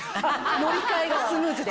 乗り換えがスムーズで。